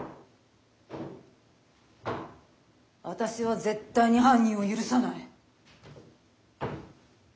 私は絶対に犯人を許さない。